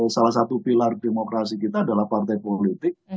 salah satu pilar demokrasi kita adalah partai politik